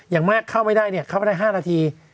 อย่างมากเข้าไม่ได้เข้าไปได้๕นาที